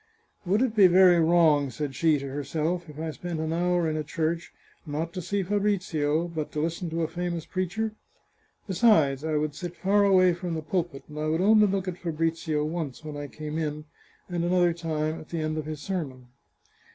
" Would it be very wrong," said she to herself, " if I spent an hour in a church, not to see Fabrizio, but to listen to a famous preacher? Besides, I would sit far away from the pulpit, and I would only look at Fabrizio once when I came in, and another time at the end of his sermon.